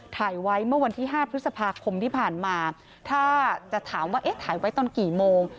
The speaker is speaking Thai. ถ่ายไว้เมื่อวันที่๕พฤษภาคมที่ผ่านมาถ้าจะถามว่าเอ๊ะถ่ายไว้ตอนกี่โมง